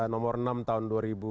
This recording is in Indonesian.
nomor enam tahun dua ribu dua